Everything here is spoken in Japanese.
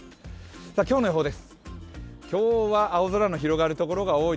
今日の予報です。